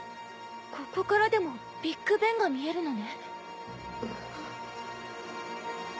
ここからでもビッグベンが見えるのね。